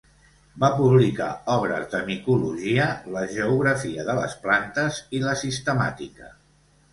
Va publicar obres de micologia, la geografia de les plantes i la sistemàtica.